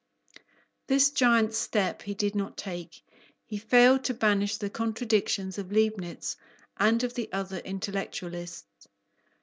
This giant's step he did not take: he failed to banish the contradictions of Leibnitz and of the other intellectualists.